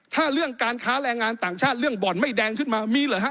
ถ้าเรื่องการค้าแรงงานต่างชาติเรื่องบ่อนไม่แดงขึ้นมามีเหรอฮะ